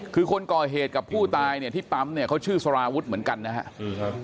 คือคนก่อเหตุกับผู้ตายเนี่ยที่ปั๊มเนี่ยเขาชื่อสารวุฒิเหมือนกันนะครับ